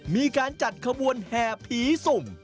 มีการจัดขบวนแห่ผีสุ่ม